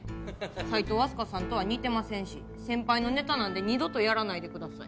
齋藤飛鳥さんとは似てませんし先輩のネタなんで二度とやらないでください。